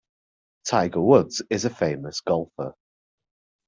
Tiger Woods is a famous golfer.